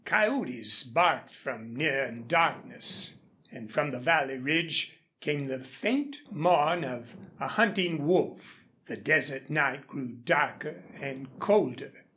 Coyotes barked from near in darkness, and from the valley ridge came the faint mourn of a hunting wolf. The desert night grew darker and colder.